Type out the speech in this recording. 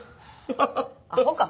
アホか？